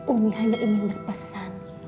umi hanya ingin berpesan